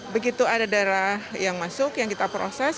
begitu ada darah yang masuk yang kita proses